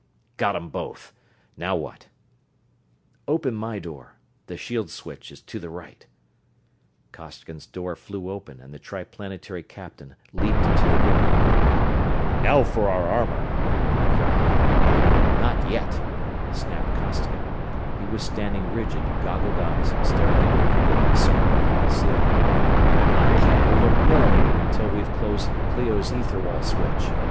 Got 'em both. Now what?" "Open my door the shield switch is to the right." Costigan's door flew open and the Triplanetary captain leaped into the room. "Now for our armor!" he cried. "Not yet!" snapped Costigan. He was standing rigid, goggled eyes staring immovably at a spot upon the ceiling. "I can't move a millimeter until you've closed Clio's ether wall switch.